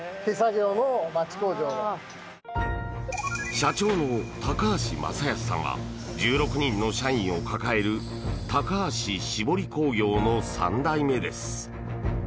社長の高橋雅泰さんは１６人の社員を抱える高橋しぼり工業の３代目です。